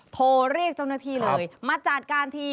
โทรเรียกเจ้าหน้าที่เลยมาจัดการที